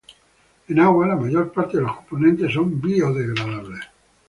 En agua, la mayor parte de los componentes son biodegradables.